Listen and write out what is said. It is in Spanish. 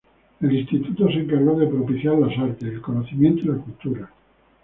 El Instituto se encargó de propiciar las artes, el conocimiento y la cultura.